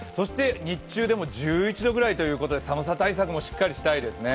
日中でも１１度くらいということで寒さ対策もしっかりしたいですね。